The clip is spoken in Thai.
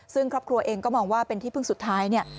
ซึ่งครอบครัวเองก็มองว่าเป็นที่พึ่งสุดท้ายเนี่ย